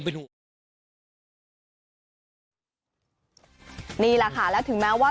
นี่ล่ะค่ะและถึงแม้ว่า